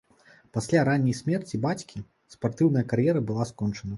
Пасля ранняй смерці бацькі спартыўная кар'ера была скончана.